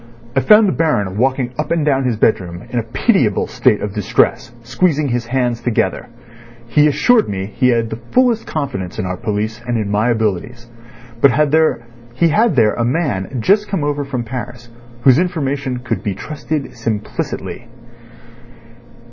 I found the Baron walking up and down his bedroom in a pitiable state of distress, squeezing his hands together. He assured me he had the fullest confidence in our police and in my abilities, but he had there a man just come over from Paris whose information could be trusted implicity.